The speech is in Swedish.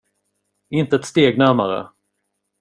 Inte ett steg närmare.